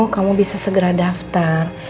kamu bisa segera daftar